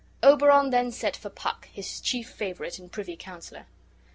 Oberon then sent for Puck, his chief favorite and privy counselor.